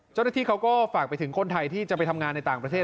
เจ้าหน้าที่เขาก็ฝากไปถึงคนไทยที่จะไปทำงานในต่างประเทศ